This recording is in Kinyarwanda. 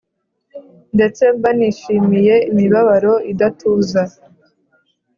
ndetse mba nishimiye imibabaro idatuza,